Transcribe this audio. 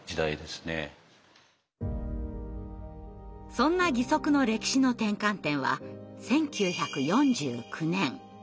そんな義足の歴史の転換点は１９４９年。